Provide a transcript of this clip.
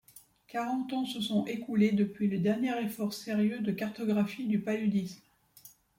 Quarante ans se sont écoulés depuis le dernier effort sérieux de cartographie du paludisme.